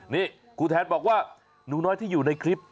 นี่ครูแทนบอกว่าหนูน้อยที่อยู่ในคลิป